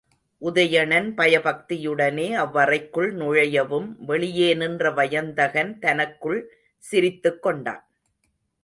உதயணன் பயபக்தியுடனே அவ்வறைக்குள் நுழையவும் வெளியே நின்ற வயந்தகன் தனக்குள் சிரித்துக்கொண்டான்.